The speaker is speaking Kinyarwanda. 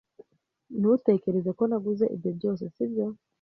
Ntutekereza ko naguze ibyo byose, sibyo?